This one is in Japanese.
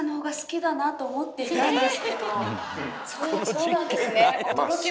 そうなんですね。